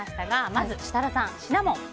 まず設楽さん、シナモン。